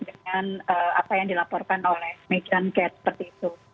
dengan apa yang dilaporkan oleh mediancat seperti itu